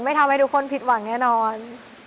ทำให้ทุกคนผิดหวังแน่นอน